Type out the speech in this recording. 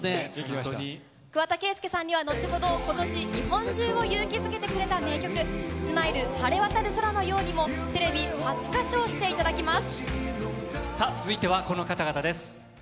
桑田佳祐さんにはのちほど今年日本中を勇気づけてくれた名曲『ＳＭＩＬＥ晴れ渡る空のように』もテレビ初歌唱していただきます。